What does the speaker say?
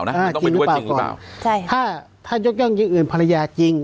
มันต้องไปดูว่าจริงหรือเปล่าใช่ถ้ายกย่องยิงอื่นภรรยาจริง